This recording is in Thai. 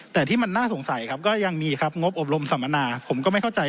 แต่ที่มันน่าสงสัยครับก็ยังมีครับงบอบรมสัมมนาผมก็ไม่เข้าใจ